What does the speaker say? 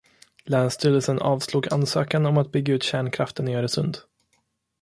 Länsstyrelsen avslog ansökan om att bygga ut kärnkraften i Östersund.